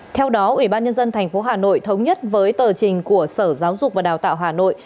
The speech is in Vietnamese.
theo đó ủy ban nhân dân tp hà nội thống nhất với tờ trình của sở giáo dục và đào tạo hà nội